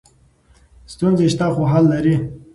ستونزې شته خو حل لري.